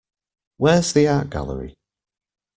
Where's the art gallery?